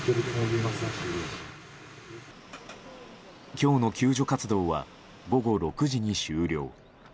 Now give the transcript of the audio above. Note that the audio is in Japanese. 今日の救助活動は午後６時に終了。